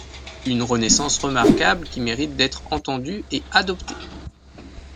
Une renaissance remarquable qui mérite d'être entendue et adoptée.